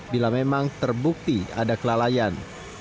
bila memang terbukti ada kelalaian